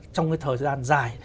trong cái thời gian dài